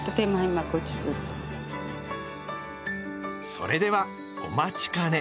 それではお待ちかね。